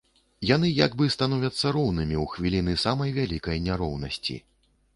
Яны як бы становяцца роўнымі ў хвіліны самай вялікай няроўнасці.